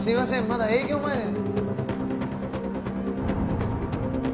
まだ営業前で。